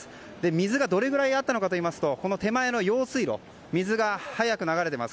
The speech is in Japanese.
水がどれぐらいあったのかというと手前の用水路水が速く流れています。